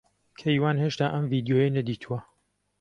کەیوان ھێشتا ئەم ڤیدیۆیەی نەدیتووە.